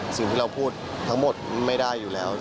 สิ่งที่เราพูดทั้งหมดไม่ได้อยู่แล้ว